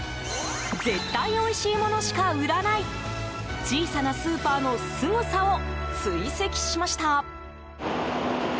絶対おいしいものしか売らない小さなスーパーのすごさを追跡しました。